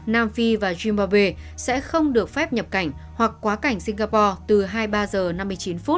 nam phi và zimbawe sẽ không được phép nhập cảnh hoặc quá cảnh singapore từ hai mươi ba h năm mươi chín phút